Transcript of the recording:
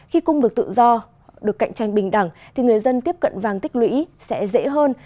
khi cung được tự do được cạnh tranh bình đẳng thì người dân tiếp cận vàng tích lũy sẽ dễ hơn